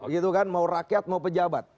gitu kan mau rakyat mau pejabat